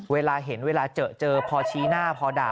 เวลาเห็นเวลาเจอเจอพอชี้หน้าพอด่า